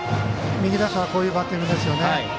右打者はこういうバッティングですよね。